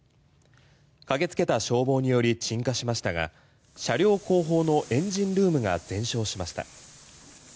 駆けつけた消防により鎮火しましたが車両後方のエンジンルームが全焼しました。